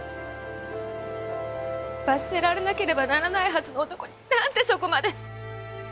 罰せられなければならないはずの男に何でそこまで？